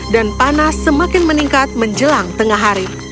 dan panas semakin meningkat menjelang tengah hari